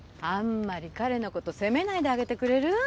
あんまり彼の事責めないであげてくれる？